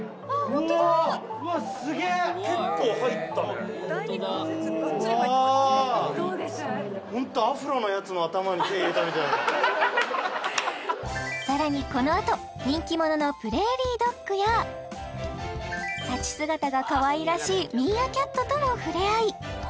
ホントさらにこのあと人気者のプレーリードッグや立ち姿がかわいらしいミーアキャットとのふれあい